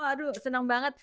halo aduh seneng banget